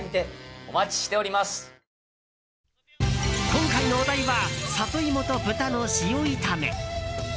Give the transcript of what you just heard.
今回のお題はサトイモと豚の塩炒め。